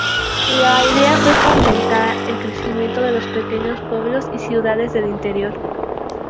La idea fue fomentar el crecimiento de los pequeños pueblos y ciudades del "interior".